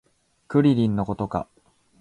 クリリンのことか